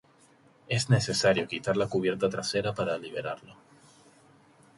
Es necesario quitar la cubierta trasera para liberarlo.